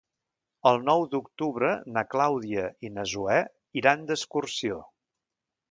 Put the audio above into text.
El nou d'octubre na Clàudia i na Zoè iran d'excursió.